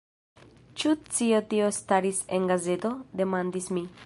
Ĉu cio tio staris en gazeto? demandis mi.